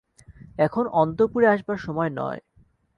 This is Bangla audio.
এখন অন্তঃপুরে আসবার সময় নয়।